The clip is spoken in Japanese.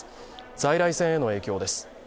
在来線への影響です。